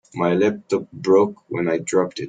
My laptop broke when I dropped it.